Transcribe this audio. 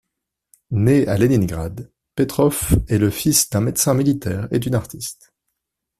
Né à Leningrad, Petrov est le fils d'un médecin militaire et d'une artiste.